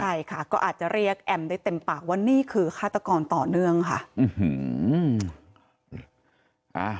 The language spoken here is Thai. ใช่ค่ะก็อาจจะเรียกแอมได้เต็มปากว่านี่คือฆาตกรต่อเนื่องค่ะ